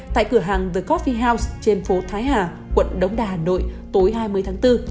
tại cửa hàng the coffee house trên phố thái hà quận đông đà hà nội tối hai mươi tháng bốn